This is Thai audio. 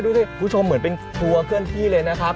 คุณผู้ชมเหมือนเป็นครัวเคลื่อนที่เลยนะครับ